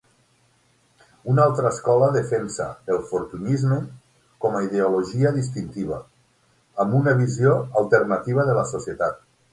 Una altra escola defensa el Fortuynisme com a ideologia distintiva, amb una visió alternativa de la societat.